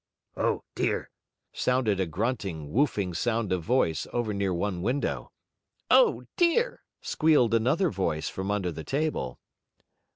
"Oh, dear!" sounded a grunting, woofing sort of voice over near one window. "Oh, dear!" squealed another voice from under the table.